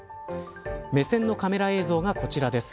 目線のカメラ映像がこちらです。